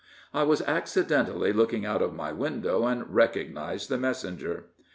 I was accidentally looking out of my window, and recognized the messenger.